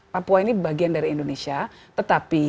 papua ini bagian dari indonesia tetapi